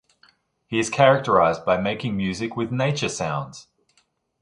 He is characterized by making music with nature sounds.